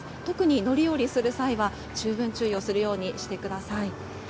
特に乗り降りする際は、十分注意をするようしてください。